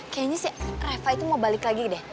kayanya si reva itu mau balik lagi deh